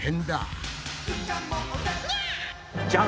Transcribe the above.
じゃん！